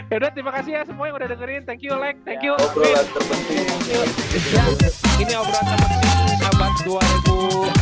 yaudah terima kasih ya semua yang udah dengerin